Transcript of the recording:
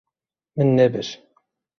Min nebir.